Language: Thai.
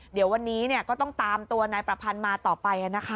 เดี๋ยววันนี้ก็ต้องตามตัวนายประพันธ์มาต่อไปนะคะ